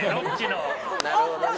なるほどね。